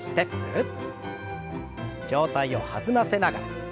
上体を弾ませながら。